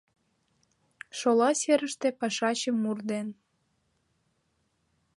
Шола серыште пашаче мур ден